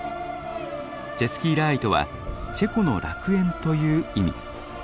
チェスキーラーイとは「チェコの楽園」という意味。